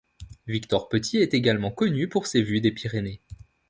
Victor Petit est également connu pour ses vues des Pyrénées.